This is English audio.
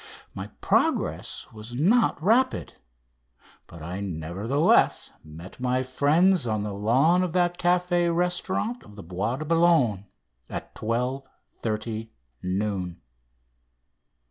My progress was not rapid, but I, nevertheless, met my friends on the lawn of that café restaurant of the Bois de Boulogne at 12.30 noon.